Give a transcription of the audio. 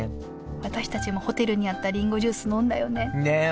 私たちもホテルにあったりんごジュース飲んだよねねえ。